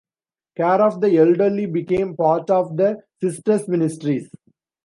Care of the elderly became part of the sisters' ministries.